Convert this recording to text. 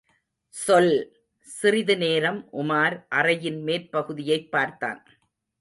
சொல்! சிறிது நேரம் உமார் அறையின் மேற்பகுதியைப் பார்த்தான்.